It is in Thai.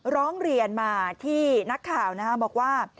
ร้องเรียนมาที่นักข่าวบอกว่า